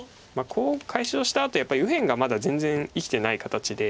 コウを解消したあとやっぱり右辺がまだ全然生きてない形で。